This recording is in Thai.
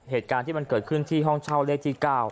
เหตุการณ์ที่มันเกิดขึ้นที่ห้องเช่าเลขที่๙